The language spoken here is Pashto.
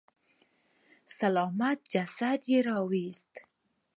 سلامت جسد يې راويست.